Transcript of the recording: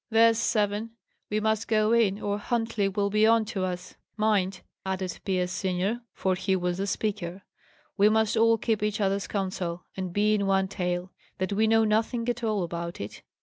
"There's seven! We must go in, or Huntley will be on to us. Mind!" added Pierce senior, for he was the speaker, "we must all keep each other's counsel, and be in one tale that we know nothing at all about it."